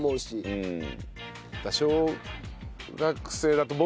うん。